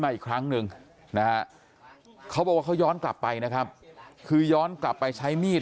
ให้อีกครั้งนึงเขาย้อนกลับไปนะครับคือย้อนกลับไปใช้มีด